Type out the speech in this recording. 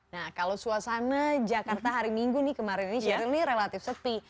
nah kalau suasana jakarta hari minggu nih kemarin ini syahril ini relatif sepi